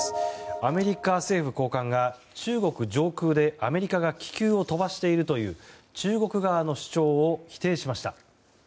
アメリカ政府高官が中国上空でアメリカが気球を飛ばしているという中国側の主張を否定しました。